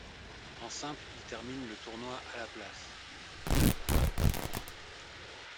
En simple, il termine le tournoi à la place.